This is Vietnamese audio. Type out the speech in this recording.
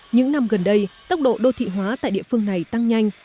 những năm gần đây tốc độ đô thị hóa tại địa phương này tăng nhanh